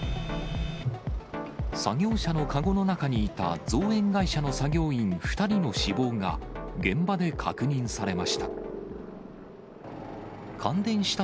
作業車のカゴの中にいた造園会社の作業員２人の死亡が現場で確認されました。